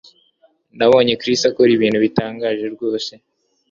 Nabonye Chris akora ibintu bitangaje rwose